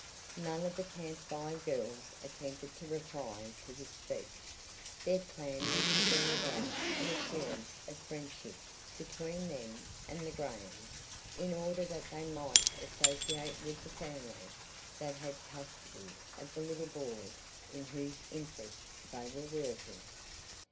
None of the Camp Fire Girls attempted to reply to this speech. Their plan was to bring about an appearance of friendship between them and the Grahams in order that they might associate with the family that had custody of the little boy in whose interests they were working.